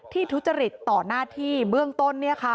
ทุจริตต่อหน้าที่เบื้องต้น